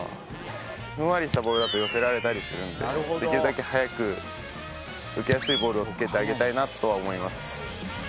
ふんわりしたボールだと寄せられたりするんでできるだけ早く受けやすいボールをつけてあげたいなとは思います。